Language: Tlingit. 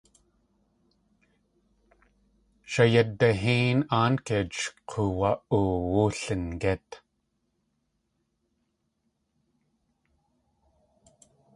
Shayadihéin Áankichxʼ k̲uwa.oowu Lingít.